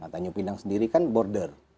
tanjung pinang sendiri kan border